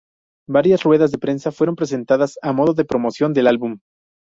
Varias ruedas de prensa fueron presentadas a modo de promoción del álbum.